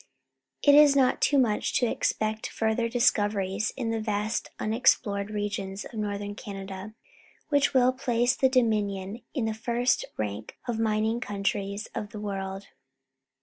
It is not too much to expect further dis coveries in the vast unexplored regions of Northern Canada, which will place the Doininion in the first rank of the mining countries of the world.